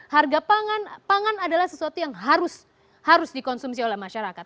harga pangan pangan adalah sesuatu yang harus dikonsumsi oleh masyarakat